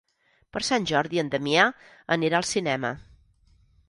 Per Sant Jordi en Damià anirà al cinema.